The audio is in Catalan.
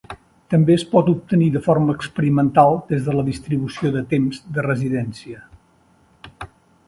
També es pot obtenir de forma experimental des de la distribució del temps de residència.